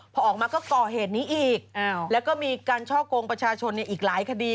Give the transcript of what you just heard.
พอออกมาก็ก่อเหตุนี้อีกแล้วก็มีการช่อกงประชาชนอีกหลายคดี